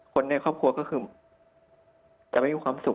คนในครอบครัวก็คือจะไม่มีความสุข